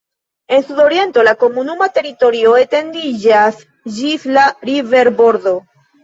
En sudoriento la komunuma teritorio etendiĝas ĝis la riverbordo.